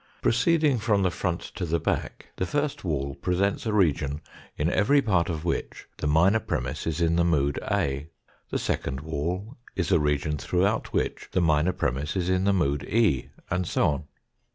Proceeding from the front to the back the first wall presents a region in every part of which the minor premiss is in the mood A. The second wall is a region throughout which the minor premiss is in the mood E, and so on.